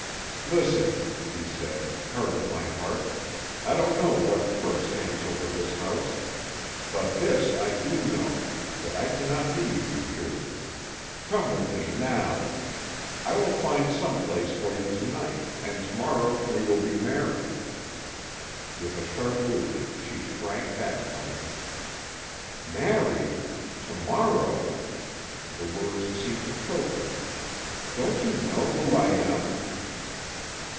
"Listen," he said. "Heart of my heart, I don't know what curse hangs over this house; but this I do know, that I can not leave you here. Come with me now. I will find some place for you to night, and to morrow we will be married." With a sharp movement she shrank back from him. "Married! To morrow!" The words seemed to choke her. "Don't you know who I am?"